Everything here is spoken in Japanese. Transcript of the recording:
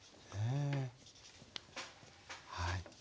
はい。